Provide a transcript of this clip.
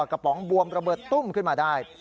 ป๋องบวมระเบิดตุ้มขึ้นมาได้